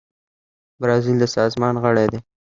برازیل د سازمان غړی دی.